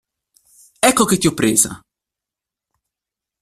Ecco che ti ho presa!